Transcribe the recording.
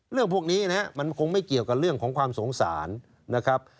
เรื่องพวกนี้นะครับมันคงไม่เกี่ยวกับเรื่องของความสงสารนะครับ